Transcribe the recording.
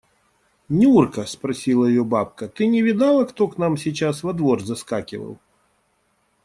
– Нюрка, – спросила ее бабка, – ты не видала, кто к нам сейчас во двор заскакивал?